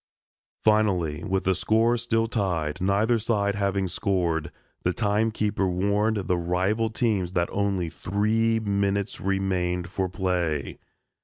Finally, with the score still tied, neither side having scored, the time keeper warned the rival teams that only three minutes remained for play.